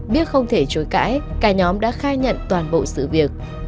biết không thể chối cãi cả nhóm đã khai nhận toàn bộ sự việc